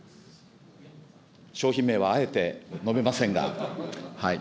商品名はあえて述べませんが。